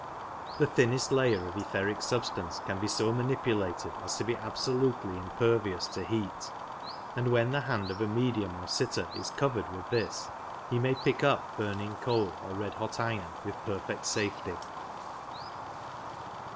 The thinnest layer of etheric substance can be so manipulated as to be absolutely impervious to heat, and when the hand of a medium or sitter is covered with this he may pick up burning coal or red hot iron with perfect safety.